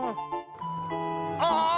ああ！